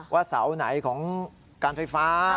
ว่าเสาไหนของการไฟฟ้า